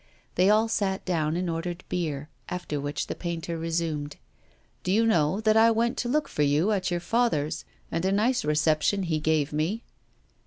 They all sat down and ordered beer, after which the painter resumed: 'Do you know that I went to look for you at your father's; and a nice reception he gave me.